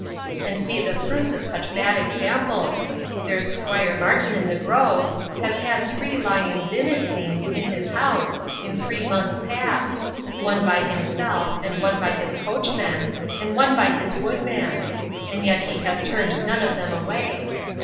—And see the fruits of such bad examples! There is 'Squire Martin in the grove, has had three lyings in, it seems, in his house, in three months past; one by himself; and one by his coachman; and one by his woodman; and yet he has turned none of them away.